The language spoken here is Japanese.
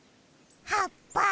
はっぱ！